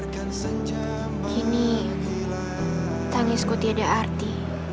kini tangisku tiada arti